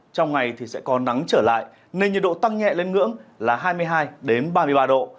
trong ngày thì sẽ có nắng trở lại nền nhiệt độ tăng nhẹ lên ngưỡng là hai mươi hai ba mươi ba độ